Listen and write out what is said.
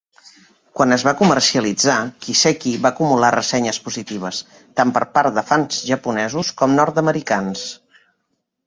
Quan es va comercialitzar, "Kiseki" va acumular ressenyes positives tant per part de fan japonesos com nord-americans.